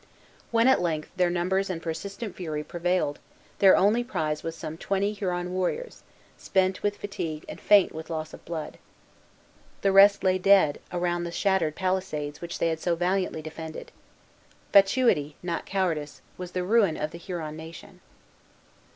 When, at length, their numbers and persistent fury prevailed, their only prize was some twenty Huron warriors, spent with fatigue and faint with loss of blood. The rest lay dead around the shattered palisades which they had so valiantly defended. Fatuity, not cowardice, was the ruin of the Huron nation.